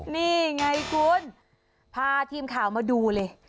นี่ไงคุณพาทีมข่าวมาดูเลย